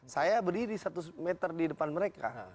saya berdiri satu meter di depan mereka